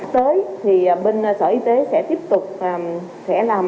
tới thì bên sở y tế sẽ tiếp tục sẽ làm